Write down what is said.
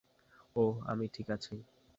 ওহ, আমি ঠিক আছি।